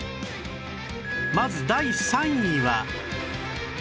まず第３位は